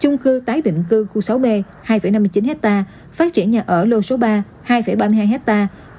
chung cư tái định cư khu sáu b hai năm mươi chín hectare phát triển nhà ở lô số ba hai ba mươi hai hectare